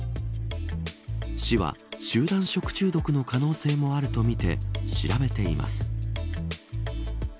市は、集団食中毒の可能性もあるとみて調べています。